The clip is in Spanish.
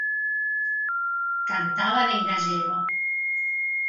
Cantaban en gallego.